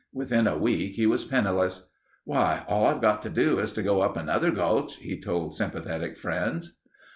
Within a week he was penniless. "Why, all I've got to do is to go up another gulch," he told sympathetic friends.